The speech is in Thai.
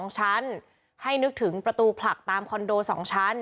๒ชั้นให้นึกถึงประตูผลักตามคอนโด๒ชั้น